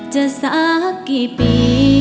สักกี่ปี